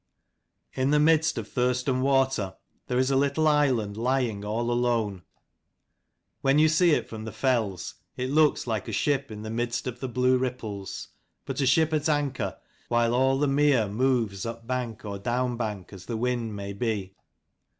In the midst of Thurston water there is a little island, lying all alone. When you see it from the fells, it looks like a ship in the midst of the blue ripples ; but a ship at anchor, while all the mere moves upbank or downbank, as the wind may be.